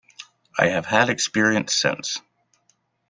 I have had experience since.